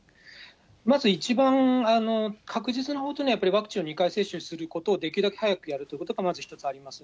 まず一番確実なことには、やっぱりワクチンを２回接種することを、できるだけ早くやるということが、まず一つあります。